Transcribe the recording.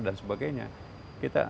dan sebagainya kita